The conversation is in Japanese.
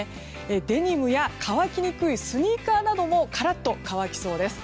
デニムや乾きにくいスニーカーなどもカラッと乾きそうです。